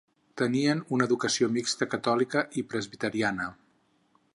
Tenien una educació mixta, catòlica i presbiteriana.